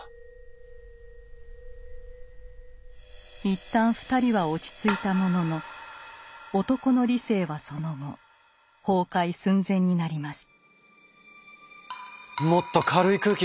一旦２人は落ち着いたものの男の理性はその後崩壊寸前になります。